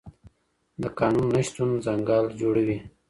د قانون نشتون ځنګل جوړوي.